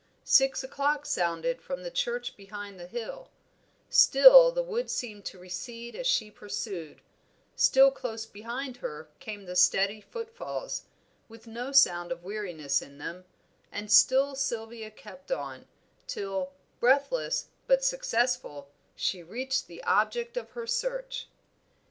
Six o'clock sounded from the church behind the hill; still the wood seemed to recede as she pursued, still close behind her came the steady footfalls, with no sound of weariness in them, and still Sylvia kept on, till, breathless, but successful, she reached the object of her search.